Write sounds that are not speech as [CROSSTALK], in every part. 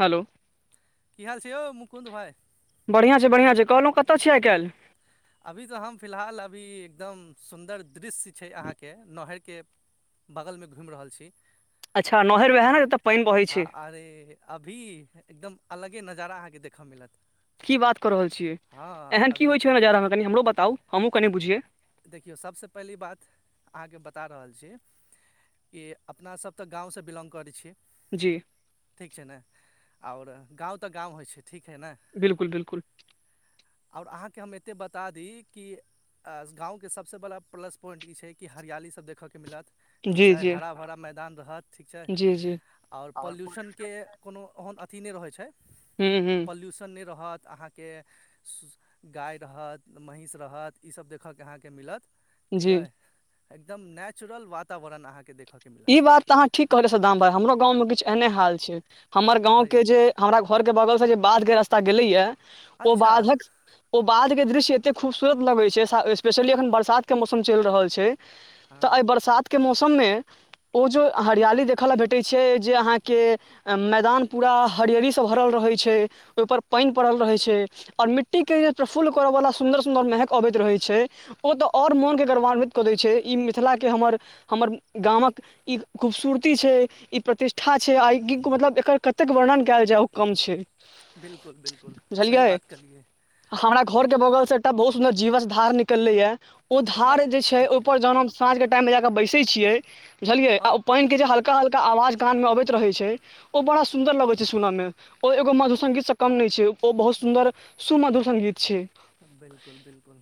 Hello की हाल छय यौ मुकुन्द भइ बढ़िआँ छै बढ़िआँ कहलहुँ कतयिय आइ काल्हि अभी तऽ हम फिलहाल अभी एकदम सुन्दर दृश्य छै अहाँके नहरके बगलमे घुइम रहल छी अच्छा नहरि वएह ने जतऽ पानि बहै ह छै अरे अभी एकदम अलगे नजारा अहाँ के देखऽ मिलत की बात कऽ रहल छियै हँ एहन की अभी होइ छै नजारामे कनि हमरो बताउ हमहुं कनि बुझियै देखियौ सबसँ पहिली बात अहाँके बता रहल छी कि अपनासब तऽ गाँवसँ बिलोंग करै छी जी ठीक छै ने आओर गाँव तऽ गाँव होइ छै ठीक हइ ने बिलकुल बिलकुल ओर अहाँके हम एतेक बता दी कि गाँवके सबसँ बड़ा प्लस पॉइन्ट ई छै कि हरियाली सब देखऽके मिलत ठीक जी छै जी हरा भरा मैदान रहत ठीक छै जी जी आओर पॉल्यूशन के कोनो ओहन अथी नय रहै छै हूँ हूँ पॉल्यूशन नय रहत अहाँके गाय रहत महीस रहत ई सब देख जी एकदम नेचुरल वातावरण अहाँके देखयके ई मिलत बात तऽ अहाँ ठीक कहलियै सदाम भइ हमरो गाँवमे किछ एहने हाल छै हमर हँ यौ गाँवके जे हमरा घर के बगल से जे बाध के रास्ता गेलै या ओ अच्छा बाधक ओ बाध के दृश्य एते खूबसूरत लगे छै स्पेशली अखन बरसात के मौसम चइल रहल छै हँ तऽ एहि बरसातके मौसम में ओ जे हरियाली देखय ल भेटै छै जे अहाँके मैदान पूरा हरियलीसँ भरल रहै छै ओहिपर पइन पड़ल रहै छै और मिट्टी के जे प्रफुल करऽ वला सुदर सुंदर महक अबैत रहै छै ओ तऽ ओर मोनके गौरवान्वित कऽ दै छै ई मिथिलाके हमर हमर गामक ई खूबसूरती छै ई प्रतिष्ठा छै आई मतलब एकर क तक वर्णन केल जाउ कम छै बिल्कुल बिल्कुल सही बुझलियै बात कहलियै हमरा घर के बगल से बहुत सुन्दर जीवस धार निकली है ओ ई बात धार जे छै हिपर जहन हम साँझ के टाइम में जाके बैसे छियै बुझलियै आ हँ ओ पडन के जे हल्का हल्का आवाज कान में अबैत रहे छै ओ बड़ा सुन्दर लगै छै सुनऽ में ओ एगो मधुर संगीत से कम नय छै ओ बहुत सुन्दर सु मधुर संगीत छै बिलकुल बिलकुल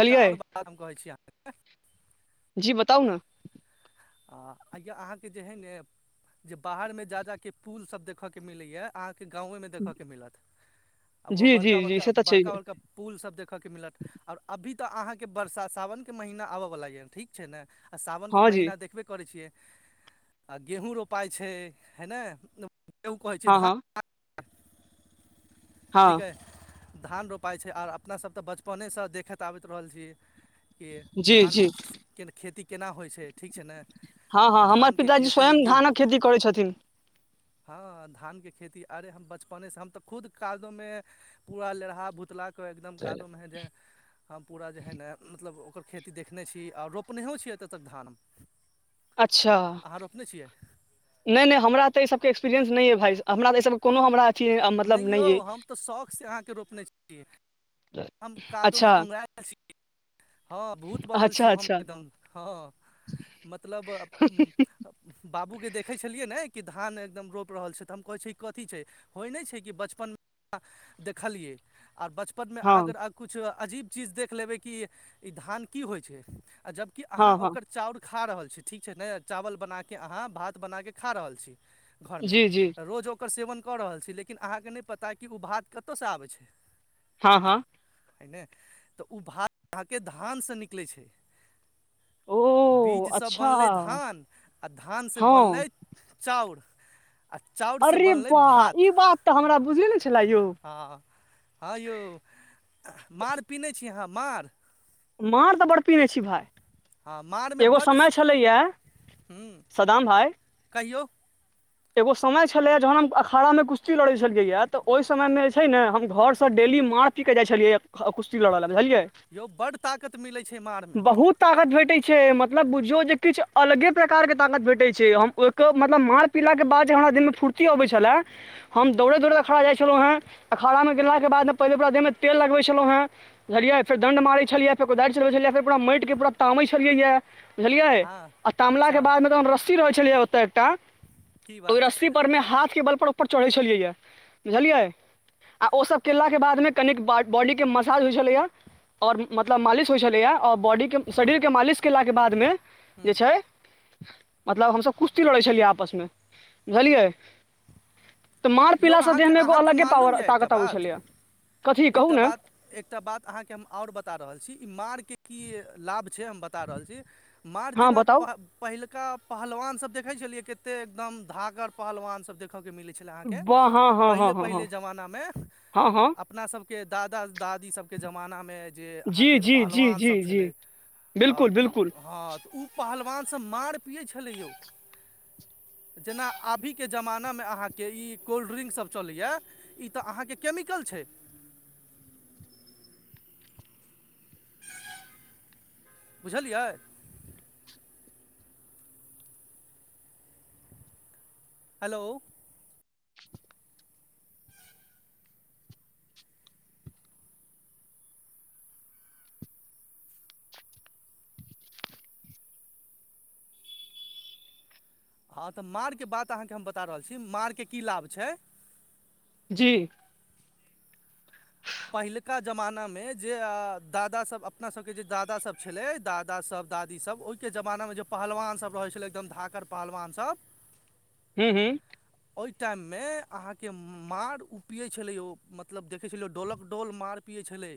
एकटा ओर बात हम कहै छी अहाँ जी बताउ ने आ अइआ अहाँ के जे हेन ने जे बाहर में जा जा के पुल सब देखे के मिले ये आह के गाँवे में देखऽके मिलत आओ ओहो जी जी बड़का जी बड़का से तऽ बड़का छैहे बड़का पुल सब देखऽके मिलत ओर अभी तऽ अहाँके बरसा साावन के महीना आबय वला य ठीक छै ने आ सावन हँ जी महीना देखबे करै छियै आ गेहूं रोपाइ छै है ने के ओ कहै छै हँ धा हँ हँ ठीकै धान रोपाइ छै ओर अपनासब तऽ बचपनेसँ देखैत आबैत रहल छी के जी जी धानके केना खेती केना होइ छै ठीक छै ने हँ हँ हमर धानके पिताजी खेती स्वयं गेहूँ धानक खेती करै छथिन हँ धानके खेती अरे हम बचपनेसँ हम तऽ खुद काजो में पूरा लेरहा भुतला क एकदम कादोम है जे हम पूरा जे हइ ने मतलब ओकर खेती देखने छी आ रोपनेहो छी एतऽ तक धान अच्छा अहाँ रोपने छियै हमरा तऽ ई सब एकसपीरियंस हम नय यौ हम तऽ शौक सँ अहाँ के रोपने छीयै हम कादो में अच्छा, उङ्घराएल अछि हँ भूत बनल छी अच्छा, हम अच्छा, एकदम हँ मतलब बाबूके देखै छलियै ने कि धान एकदम रोइप रहल छै तऽ हम कहैत छ ई कथी छै होइ नय छै कि बचपनमे देखलियै आर बचपन में अहाँ हाँ, अगर किछ अजीब चीज देख लेबै की ई धान की होइ छै आओ जबकि अहाँ हाँ, हाँ, ओकर चाउर खा रहल छी ठीक छै ने चावल बनाके अहाँ भात बनाके खा रहल छी घरमे जी, जी, रोज ओकर सेवन कऽ रहल छी लेकिन अहाँके नय पता कि ओ भात कतयसँ आबै छै हँ हँ हं ने तऽ ओ भार के धानसँ निकलै छै ओह! बीजसँ अच्छा, बनलै धान आ धानसँ हाँ, बनलै चाउर आ चाउरसँ अरे बनलै वाह! ई भात बात तऽ हमरा बुझै नय छलय यौ हँ हँ यौ मड़ पिहै छी अहाँ माँड़ मार तऽ बड़ पिहने छी भाय हँ माड़मे एगो बड्ड समय छलैया हूँ सदाम भाई कहियौ एगो समय छलैए जहन हम अखाड़ामे कुश्ती लड़ै छलियै हा तऽ ओहि समयमे जे छै ने हम घरसँ डेली माथ की कहि जाइ छलियै कुश्ती लड़ऽ लए बुझियै यौ बड्ड ताकत मिलै छै मारमे बहुत ताकत भेटय छै मतलब बुझियो जे किछ अलगे प्रकार के ताकत भेटे छै हम आइके मतलब मार पीला के बाद जे हमरा दिन में फूर्ती अबै छलै हम दौड़े दौड़ैत अखाड़ा जाइ छलहुँ हें अखाड़ा में केला के बाद पहिले पुरा देह में तेल लगबै छलौं है बुझलियै फेर दंड मारै छलिए फेर कोदारि चलबै छलिय फेर पूरा मैट के पूरा तामै छलिये या बुझलियै हँ आ तामला अच्छा के बादमे तऽ हम रस्सी रहै छलियै ओतऽ एकटा की ओहि बात रस्सी पर। मे हाथ के बल पर ऊपर चढ़ै छलियै य बुझलियै आ ओ सभ केलाक के बादमे कनी बॉडी के मसाज होय छलेया और मतलब मालिश होई छले या आ बॉडी के शरीरके मालिश केलाके बादमे हूँ जे छै। मतलब हमसभ कुश्ती लड़ै छलियै आपसमे घलियएै। यौ अहाँकेँ एगो अहाँकेँ अलगे मालूम पावर यऽ एकटा ताकत अबै बात छलैए कथी कहू एकटा ने बात एकटा बात अहाँकेँ हम आओर बता रहल छी ई मार के कि लाभ। हम बता रहल छै मार हँ जेना बताउ पहिलका पहलवान सभ देखे छलिये कते एकदम धागर पहलवान सभ देखे के मिले छले अहाँकेँ वाह हँ हँ पहिले हँ हँ हँ पहिले जमानमे अप हँ हँ अपना सभके दादा दादी सभके जमानामे जे जी अहाँकेँ जी जी पहलवान जी सभ जी छलै आ बिल्कुल कि बिल्कुल हँ तऽ ओ पहलवानसँ मांड़ पियै छलै यौ। जेना अभिके जमाना मे अहाँकेँ ई कोल्ड्रिंक्स सभ चलैया ई तऽ अहाँकेँ केमिकल छै बुझलियै। हेलो। हँ तऽ माँड़केँ बात अहाँकेँ हम बता रहल छी माँड़केँ की लाभ छै जी। पहिलुका जमानामे जे दादा सभ अपना सभके जे दादासभ छलै दादासभ दादी सभ ओहिके जमानामे जे पहलवान सभ रहै छलै एकदम धाकर पहलवान सभ हू, हू। ओहि टाइम मे अहाँकेँ मार पिये छले य मतलब देखे छलिय डोलक डोल मार पियए छेले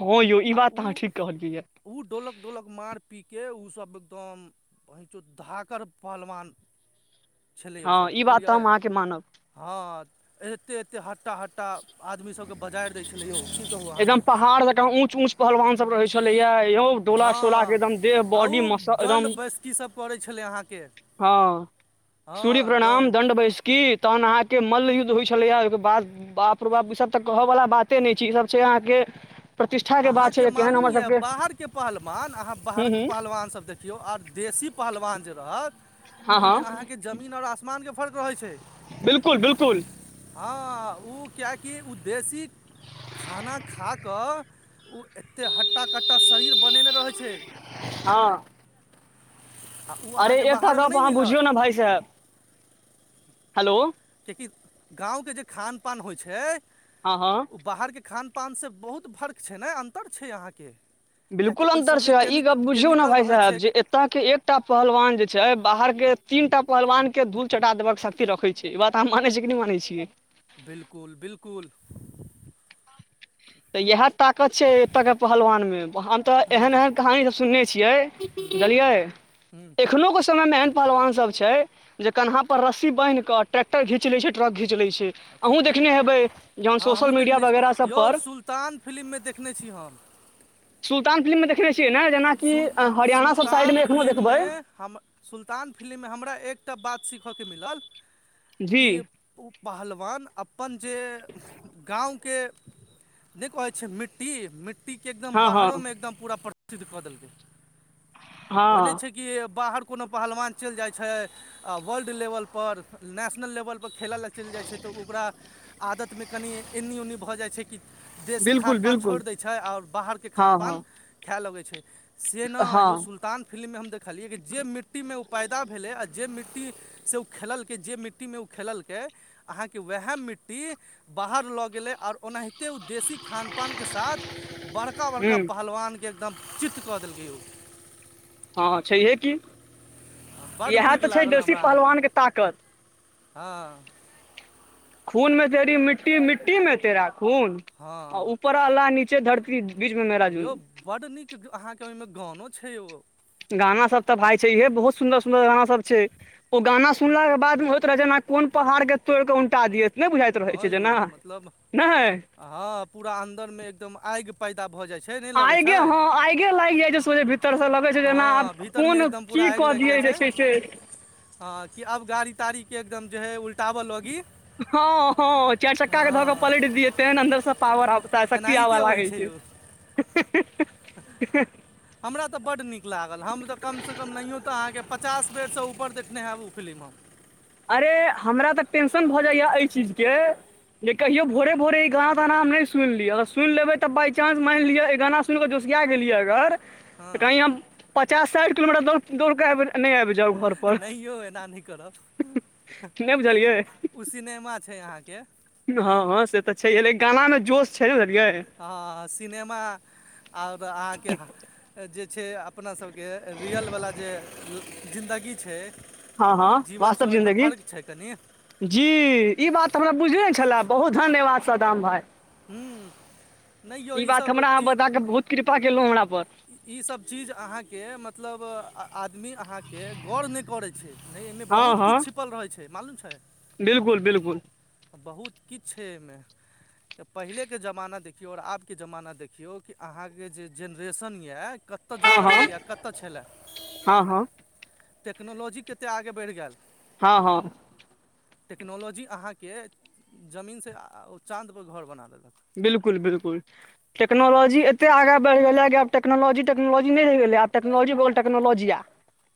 हँ यौ ई बात तऽ अहाँ ठीक कहलियै यै ओ डोलकऽ डोलकऽ मार पी कऽ ओसभ एकदम पैचो धाकर पहलवान छलै हँ ओसभ ई बात तऽ बुझलियै हम अहाँके मानब हँ एते एते हट्टा हट्टा आदमी सभके बजार दै छलयौ। एकदम पहाड़ जक ऊंच ऊंच पहलवान सभ रहे छलेया यौ डोला सोला हँ के एकदम देह आ उ बॉडी मस दण्ड एकदम बैसकी सब पड़ै छलै अहाँके हँ। सूर्य हँ प्रणाम एकदम दड बयस की तहन अहाँकेँ मल्लयुद्ध होइ छलैया ओहिके बाद बाप र बाप ई सभ तक कहवला बाते नहि छै ई सभ छै अहाँकेँ अहाँकेँ मालूम यए बाहरके पहलवान अहाँ हूँ बाहरक हूँ पहलवानसभ देख के आर देशी पहलवान जे रहत हँ हँ ओहिमे अहाँकेँ जमीन आओर आसमानके फर्क रहै छै। बिल्कुल बिल्कुल। हँ ओ किए उ देशी खाना खाकऽ ओ एतेक हट्टा कट्टा शरीर बनेने रहै छै। हँ। आ उ अरे अहाँके एकटा बाहरमे गप नहि अहाँ बुझियौ मिलत नै भाई साहेब हेलो। कियाकि गाव के जे खान पान होइ छै आ हँ ओ बाहरके खानपानसँ बहुत फर्क छै ने अन्तर छै अहाँके किएकि बिलकुल ओहि अन्तर सभमे छ ई केमिक गप बुझियौ ने केमिकल भााय रहै छै साहेब जे ता के एकटा पहलवान जे छै बाहर के तीन टा पहलवान के धूल चटा देवा के शक्ति रखे छै ई बात हम मानै छिय कि नय मानै छियै बिल्कुल बिलकुल तऽ इएह ताकत छै एतय के पहलवान में हम तऽ एहन एहन कहानी सब सुनने छियै बुझलियै हूँ एखनोके समयमें एहन पहलवानसब छै जे कन्हा पर रस्सी बैन्ह के ट्रैक्टर घीच ले छै ट्रक घीच लय छै अच्छा अहूँ की देखने बात हेबै जन सोशल मीडिया वगैरह सब पर तान फिलिम मे देखने छी हम सुल्तान फिल्म में देखने छियै ने जेना सुल सुल्तान फिलिम में हम सुल्तान फिलिम में हमरा एकटा बात सीखयके मिलल जी कि ओ पहलवान अपन जे गाँव के न कहै छै मिट्टी मिट्टी के एकदम हँ हँ बाहरो में एकदम पूरा प्रसिद्ध क देलके होइ हँ नय छै कि बाहर कोनो पहलवान चल जाइ छै आ वर्ल्ड लेवल पर नेशनल लेवल पर खेलय ले चइल जाइ छै तऽ ओकरा आदत में कनि एन्नी ओन्नी भ जाइ छै कि देशी बिल्कुल खान पान बिल्कुल छोड़ दै छै ओर बाहरके खान हँ पान हँ खै लगै छै से ने यौ हँ सुल्तान फिलिम मे हम देखलियै कि जे मिट्टीमे ओ पैदा भेलै आ जे मिट्टी से ओ खेललकै जे मिट्टीमे ओ खेललकै अहाँके उएह मिट्टी बाहर ल गेलै ओर ओनाहिते ओ देशी खान पान के साथ बढ़ बड़का बड़का हूँ पहलवानके एकदम चित्त कऽ देलकै ओ हँ छैहे की बड्ड इएह नीक तऽ छै लागल बेसी हमरा अहाँके पहलवानके ताकत हँ खून में तेरी मिट्टी मिट्टी में तेरा खून आ हँ ऊपर अल्लाह नीचे धरती बीच बीच मे राजू बड नीक अहाँके ओहि में गानो छै ओ गाना सब तऽ भाय छै इहे बहुत सुन्दर सुन्दर गाना सब छै ओ गाना सुनलाक के बाद में होइत रहे छै जेना कोन पहाड़ के तोड़क उनटा दियत नय बुझाइत रहै हँ छै जेना यौ मतलब नय हँ पूरा अन्दर मे एकदम आइग पैदा भऽ जाइ छै ने आगे हं आगे लाइग य जे सोे भीतर से ले छै जेना आब हँ भीतरमे कोन एकदम की पूरा आगि क लागि दियै जाइ जे छै से हँ कि अब गाड़ी ताड़ी के एकदम जे है उल्टाव लाइग हँ हँ चाइर चक्का के धऽ क पलट दियौ तेहेन अंन्दर से पावर आबै शक्ति एनाहिते आबे होइ लागै छै यौ [UNINTELLIGIBLE] हमरा त बड् नीक लागल हम त कमसँ कम नहियो तऽ अहाँके पचास बेरसँ ऊपर देखने हैब ओ फिलिम हम अरे हमरा तऽ टेंशन भऽ जाइया एहि चीजके जे कहियो भोरे भोरे ई गाना ताना हम नहि सुनलियै अगर सुनि लेबै त बाय चान्स मान लिअ गाना जोसिया गेलियै अगर कही हँ हम पचास साइठ किलोमीटर दौड़ क आब नइ यौ एना नइ करब नहि बुझलियै ओ सिनेमा छै अहाँके हँ हँ से तऽ छैेहे लेकिन गाना मे जोश छै ने बुझलियै हं सिनेमा ओर अहाँके जे छै अपना सबके रियलवला जे जिन्दगी छै हँ हँ जीवन छै वास्तव ओहिमे जिन्दगी फर्क छै कनि जी ई बात हमरा बुझने छल बहुत धन्यवाद सदाम भाय हूँ नहि यौ ई बात ईसब हमरा अहाँ बता कऽ बहुत कृपा केलहुं हमरा पर इ सब चीज अहा के मतलब आदमी आहाँ के गौर न करै छै नइ एहिमे हँ बहुत हँ किछु छिपल रहैत छै मालूम छै बिल्कुल बिल्कुल बहुत किछ छै एहिमे प ब ब स्टेशन य कतय हँ जा हँ रहल य कतय छलै हँ हँ टेक्नोलॉजी कतेक आगे बइढ़ गेल हँ हँ टेक्नोलॉजी अहाँके जमीनसँ चाँदपर घर बना देलक बिलकुल बिलकुल टेक्नोलॉजी एत आग बढ़ गेल ह कि आ टेक्नोलॉजी टेक्नोलॉजी नइ गेलै आ टेक्नोलॉजी बहु टेक्नोलॉजी आ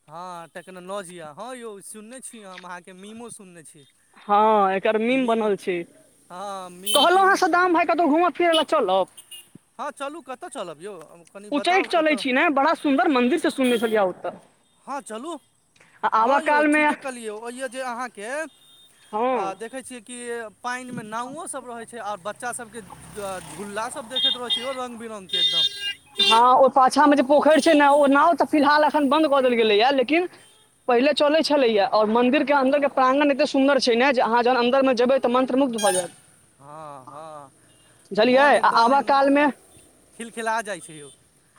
हँ टेक्नोलॉजी यए हँ यौ सुनने छी हम अहाँके मीमो सुनने छी हँ एकर मीम बनल छै हँ मीम कहलहुँ तीम अहाँ सदाम भाय कतहु घूम फिर लए चलब हँ चलू कत चलब यौ कनि बताउ उच्चैठ चलै कतय छी ने बड़ा सुन्दर मन्दिर से सुनने छलियै या ओतऽ हँ चलू आ हँ आबऽ यौ काल मे ठीके कहलियै ओहि यऽ जे अहाँके हँ देखै छियै कि पानि मे नावो सब रहै छै आओर बच्चा सबके झूलला सब देखैत रहै छि ओहो रंग बिरङंग के एकदम हँ ओ पाछाँ में जे पोखैर छै ने ओ नाव तऽ फिलहाल एखन बन्द कऽ देल गेलैया लेकिन पहिले चले छलेैा और मंदिर के अन्दर के प्रांगन एते सुंदर छै ने जे अहाँ जहन अन्दर मे जेबे तऽ मंत्रमुग्ध भऽ जयत हँ हँ बुझलियै मन आ आबऽ एकदम कालमे खिलखिला जाइ छै यौ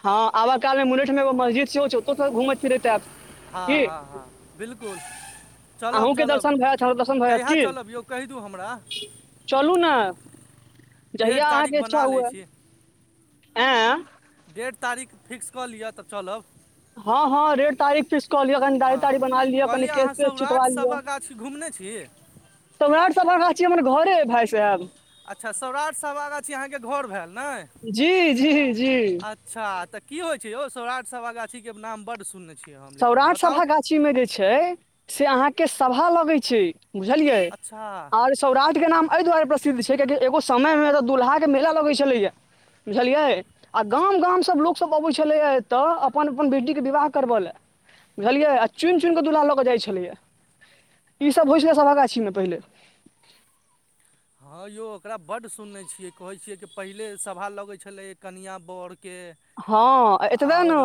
हँ आब काल मे मुलेठ मे मस्जिद छै सेहो चोको स घूमैत फिरैत आब हँ हँ हँ बिलकुल चलब अहूँके चलब दर्शन भए जायत हमरो दर्शन भए जायत कहिया की चलब यौ कही दू हमरा चलू ने डेढ़ जहिया तारीख अहाँके इच्छा बना लै हुए छी आँय डेढ़ तारीख फिक्स कऽ लिअ तऽ चलब हँ हँ रेड तारीख फिक्स कऽ लियो कनि गाड़ी हँ ताड़ी बना लियो कनि केश व चिटवा लियो छी घूमने छी तोरार सबा छियै हमर घरे भाय साहेब अच्छा सौराठ स आगाछ अहाँके घर भेल ने जी जी जी अच्छा तऽ की होइ छै यौ सौराठ सभा गाछीके नाम बड सुनने छी सौराठ सभा गाछी में जे छै से अहाँके सभा लगै छै बुझलियै अच्छा आर सौराठ के नाम एहि दुआरे प्रसिद्ध छै कियाकी एगो समय मेऽ दुलहा के मेला लगै छलैया बुझलियै आ गाम गाम सब लोकसब अबय छलैए तऽ अपन अपन बेटीके विवाह करबय लए बुझलियै आ चुनि चुनिकऽ दुल्हा लऽ कऽ जाइत छलैया ई सब होइ छलै सभा गाछी मे पहिले हँ यौ ओकरा बड्ड सुनने छियै कहैत छियै कि पहिले सभा लगैत छलै कनीआ बड हँ एतबे ने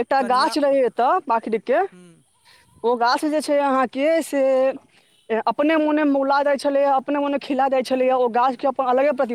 एकटा कनिआँ गाछ रहै एतऽ पाखरिक के हूँ ओ गाछ जे छै अहाँके से अपने मोने मोला जाय छले अ अपने मोने खिला जाय छले हा ओ गाछ के अपन अलगे प्रति